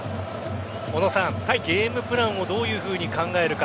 小野さん、ゲームプランをどういうふうに考えるか